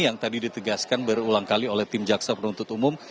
yang tadi ditegaskan berulang kali oleh tim jaksa penuntut umum